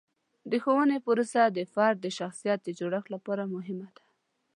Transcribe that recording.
د ښوونې پروسه د فرد د شخصیت د جوړښت لپاره مهمه ده.